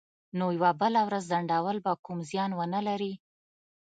نو یوه بله ورځ ځنډول به کوم زیان ونه لري